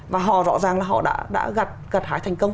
và họ rõ ràng là họ đã gặt hái thành công